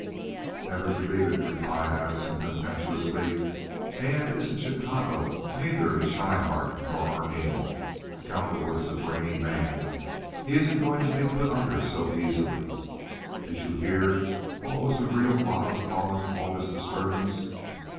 "Never believe it," replied Addison, contemptuously. "Hand isn't Chicago, neither is Schryhart, nor Arneel. Cowperwood is a brainy man. He isn't going to be put under so easily. Did you ever hear what was the real bottom cause of all this disturbance?"